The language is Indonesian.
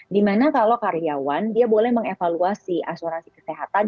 di mana kalau karyawan dia boleh mengevaluasi asuransi kesehatan